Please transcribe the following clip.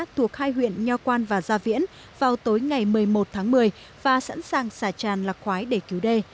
thuộc hai huyện nho quan và gia viễn vào tối ngày một mươi một tháng một mươi và sẵn sàng xả tràn lạc khoái để cứu đê